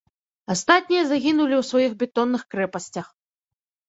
Астатнія загінулі ў сваіх бетонных крэпасцях.